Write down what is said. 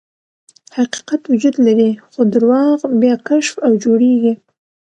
حقیقت وجود لري، خو درواغ بیا کشف او جوړیږي.